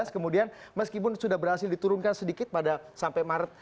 kemudian meskipun sudah berhasil diturunkan sedikit pada sampai maret